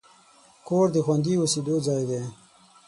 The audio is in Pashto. کور د خوندي اوسېدو ځای دی.